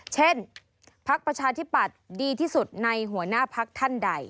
เช่นภาคประชาธิบัตรดีที่สุดในหัวหน้าภาคท่านใด